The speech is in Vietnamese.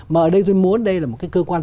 mà ở đây tôi muốn đây là một cái cơ quan